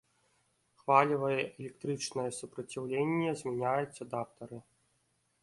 Хвалевае электрычнае супраціўленне змяняюць адаптары.